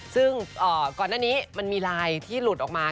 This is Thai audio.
ซึ่งก่อนหน้านี้มันมีไลน์ที่หลุดออกมา